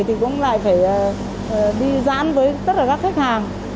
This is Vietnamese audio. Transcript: thì đi giãn với tất cả các khách hàng